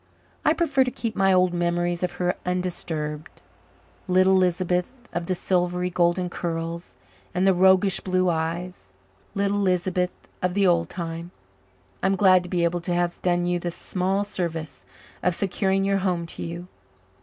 I prefer to keep my old memories of her undisturbed little Lisbeth of the silvery golden curls and the roguish blue eyes. Little Lisbeth of the old time! I'm glad to be able to have done you the small service of securing your home to you.